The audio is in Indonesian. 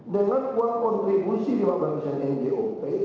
kalau misalnya gop